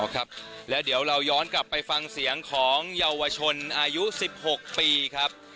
ครับแล้วเดี๋ยวเราย้อนกลับไปฟังเสียงของเยาวชนอายุ๑๖ปีครับ